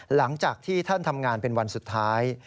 หลังจากที่ท่านทำงานเป็นวันสุดท้าย